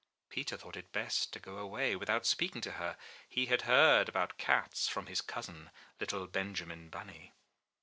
Peter thought it best to go away without speaking to her; he had heard about cats from his cousin, little Benjamin Bunny.